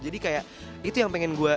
jadi kayak itu yang pengen gue